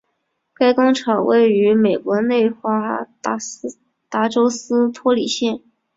该工厂位于美国内华达州斯托里县。